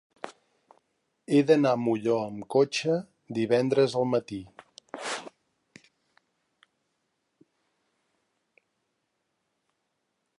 He d'anar a Molló amb cotxe divendres al matí.